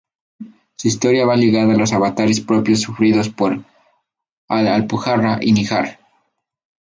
Su historia va ligada a los avatares propios sufridos por la Alpujarra y Níjar.